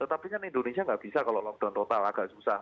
tetapi kan indonesia nggak bisa kalau lockdown total agak susah